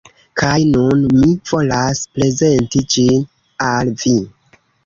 Kaj nun, mi volas prezenti ĝi al vi.